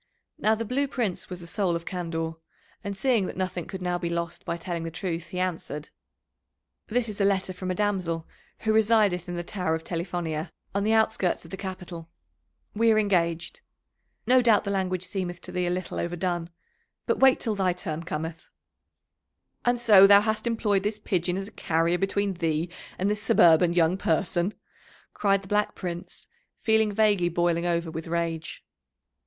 Now the Blue Prince was the soul of candour, and seeing that nothing could now be lost by telling the truth, he answered: "This is a letter from a damsel who resideth in the Tower of Telifonia, on the outskirts of the capital; we are engaged. No doubt the language seemeth to thee a little overdone, but wait till thy turn cometh." [Illustration: THE DAMSEL OF THE TOWER.] "And so thou hast employed this pigeon as a carrier between thee and this suburban young person?" cried the Black Prince, feeling vaguely boiling over with rage.